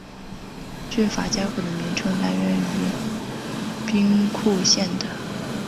军舰加古的名称来源于兵库县的。